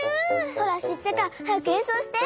ほらシッチャカはやくえんそうして！